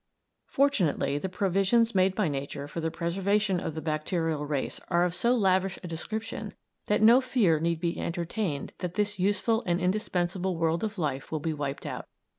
Fortunately, the provisions made by Nature for the preservation of the bacterial race are of so lavish a description that no fear need be entertained that this useful and indispensable world of life will be wiped out.